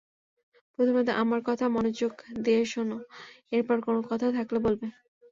প্রথমে আমার কথা মনোযোগ দিয়ে শোন এরপর কোন কথা থাকলে বলবে।